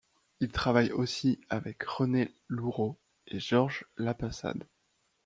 Il travaille aussi avec René Lourau et Georges Lapassade.